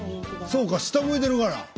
そうか下向いてるから。